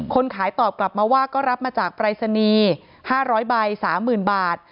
คนขายตอบกลับมาว่าก็รับมาจากปรายศนีย์๕๐๐ใบ๓๐๐๐บาท